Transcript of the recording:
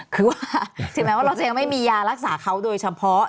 คือว่าถึงแม้ว่าเราจะยังไม่มียารักษาเขาโดยเฉพาะ